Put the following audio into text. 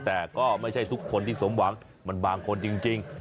แต่ก็ไม่ใช่ทุกคนที่สมหวังมันบางคนจริง